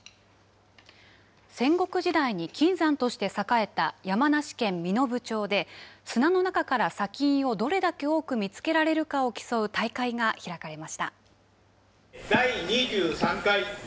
戦国時代に金山として栄えた山梨県身延町で、砂の中から砂金をどれだけ多く見つけられるかを競う大会が開かれました。